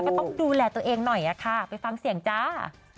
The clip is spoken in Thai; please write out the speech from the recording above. ก็ต้องดูแลตัวเองหน่อยค่ะไปฟังเสียงจ้า